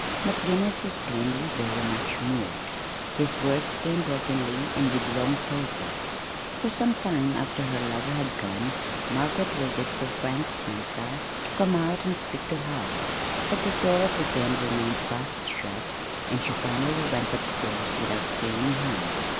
McGinnis was plainly very much moved. His words came brokenly and with long pauses. For some time after her lover had gone Margaret waited for Frank Spencer to come out and speak to her. But the door of the den remained fast shut, and she finally went up stairs without seeing him.